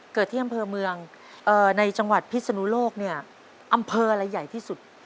เกิดที่อำเภอเมืองในจังหวัดพิศนุโลกเนี่ยอำเภออะไรใหญ่ที่สุด